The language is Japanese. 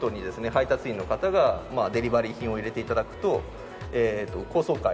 配達員の方がデリバリー品を入れて頂くと高層階